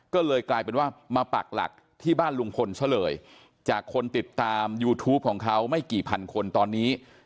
ก็เลยกลายเป็นว่ามาปักหลักที่บ้านลุงพลซะเลยจากคนติดตามยูทูปของเขาไม่กี่พันคนตอนนี้